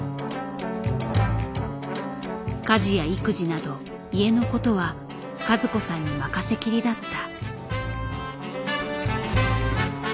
家事や育児など家のことは和子さんに任せきりだった。